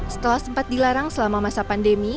setelah sempat dilarang selama masa pandemi